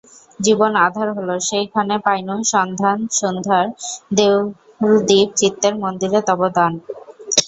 জীবন আঁধার হল, সেই ক্ষণে পাইনু সন্ধান সন্ধ্যার দেউলদীপ চিত্তের মন্দিরে তব দান।